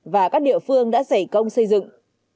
và các địa phương đã giải công xây dựng